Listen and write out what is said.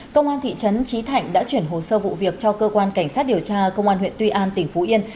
công an thị trấn trí thạnh đã chuyển hồ sơ vụ việc cho cơ quan cảnh sát điều tra công an huyện tuy an tỉnh phú yên